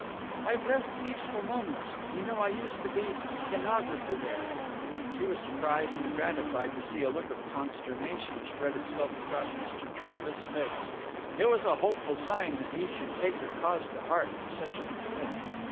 "I've left Peaceful Moments. You know I used to be stenographer there." She was surprised and gratified to see a look of consternation spread itself across Mr. Jarvis' face. It was a hopeful sign that he should take her cause to heart to such an extent.